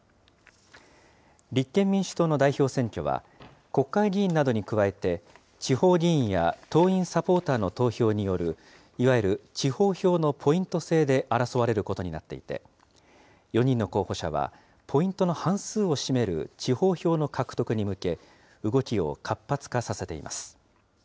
立憲民主党の代表選挙は、国会議員などに加えて、地方議員や党員・サポーターの投票による、いわゆる地方票のポイント制で争われることになっていて、４人の候補者は、ポイントの半数を占める地方票の獲得に向け、動きを活発化させています。